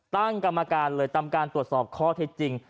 ตั้งกรรมการเลยทำการตรวจสอบข้อเท็จจริง